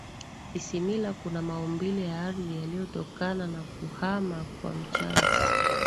isimila kuna maumbile ya ardhi yaliyotokana na kuhama kwa mchanga